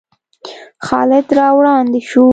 خالد را وړاندې شو.